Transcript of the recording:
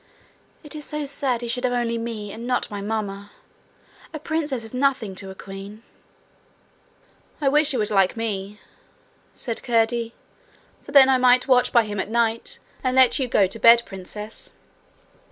It is so sad he should have only me and not my mamma! A princess is nothing to a queen!' 'I wish he would like me,' said Curdie, 'for then I might watch by him at night, and let you go to bed, Princess.'